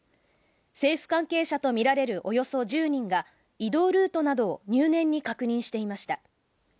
政府関係者とみられるおよそ１０人が移動ルートなどを入念に確認していました。